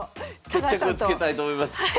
決着をつけたいと思います。